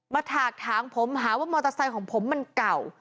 ถากถางผมหาว่ามอเตอร์ไซค์ของผมมันเก่า